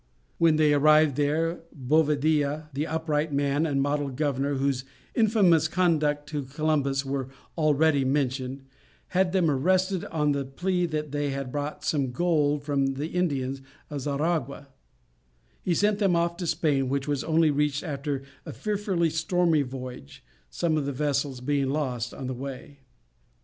When they arrived there, Bovadilla, the upright man and model governor, whose infamous conduct to Columbus we have already mentioned, had them arrested, on the plea that they had bought some gold from the Indians of Xaragua; he sent them off to Spain, which was only reached after a fearfully stormy voyage, some of the vessels being lost on the way.